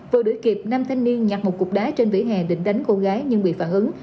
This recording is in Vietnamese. vừa đuổi kịp năm thanh niên nhặt một cục đá trên vỉa hè định đánh cô gái nhưng bị phản ứng